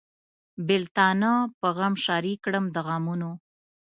بېلتانه په غم شریک کړم د غمجنو.